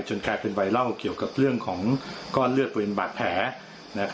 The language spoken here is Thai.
กลายเป็นไวรัลเกี่ยวกับเรื่องของก้อนเลือดบริเวณบาดแผล